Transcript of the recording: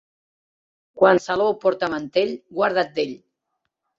Quan Salou porta mantell, guarda't d'ell.